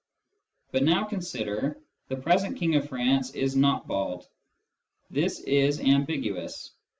But now consider " the present King of France is not bald." This is ambiguous.